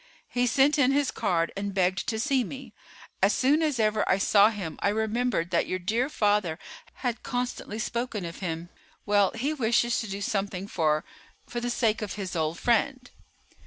He sent in his card and begged to see me. As soon as ever I saw him I remembered that your dear father had constantly spoken of him. Well, he wishes to do something for—for the sake of his old friend."